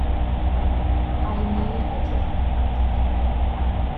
I need a drink.